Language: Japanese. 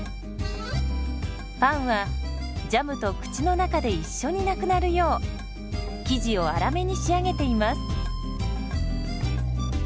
パンはジャムと口の中で一緒になくなるよう生地を粗めに仕上げています。